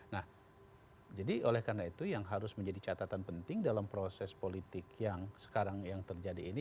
nah jadi oleh karena itu yang harus menjadi catatan penting dalam proses politik yang sekarang yang terjadi ini